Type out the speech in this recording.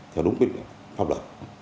theo đúng quyền pháp luật